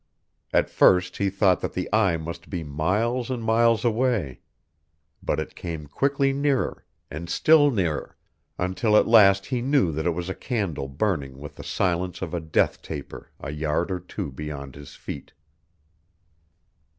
At first he thought that the eye must be miles and miles away. But it came quickly nearer and still nearer until at last he knew that it was a candle burning with the silence of a death taper a yard or two beyond his feet.